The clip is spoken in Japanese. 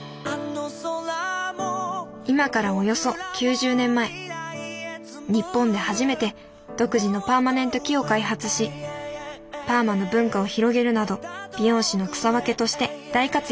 今からおよそ９０年前日本で初めて独自のパーマネント機を開発しパーマの文化を広げるなど美容師の草分けとして大活躍。